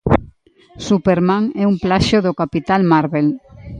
Superman é un plaxio do Capitán Marvel.